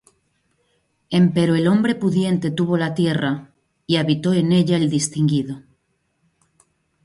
Empero el hombre pudiente tuvo la tierra; Y habitó en ella el distinguido.